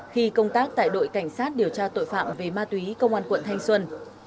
khi công tác tại đội cảnh sát điều tra tội phạm về ma túy công an quận thanh xuân